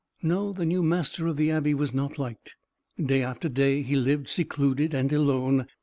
No, the new master of the abbey was not liked. Day after day he lived secluded and alone.